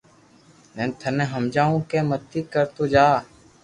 ھين ٿني ھمجاوُ ڪو متي ڪرتو جا